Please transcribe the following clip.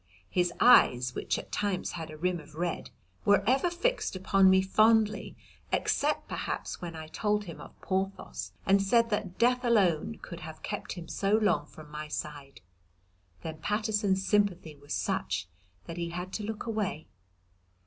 His eyes, which at times had a rim of red, were ever fixed upon me fondly except perhaps when I told him of Porthos and said that death alone could have kept him so long from my side. Then Paterson's sympathy was such that he had to look away.